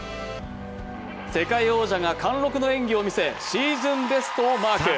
世界王者が貫禄の演技を見せシーズンベストをマーク。